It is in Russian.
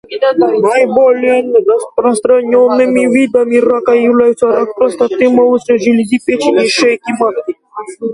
Наиболее распространенными видами рака являются рак простаты, молочной железы, печени и шейки матки.